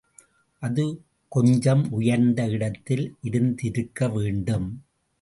அது கொஞ்சம் உயர்ந்த இடத்தில் இருந்திருக்க வேண்டும்.